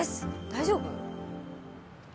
大丈夫？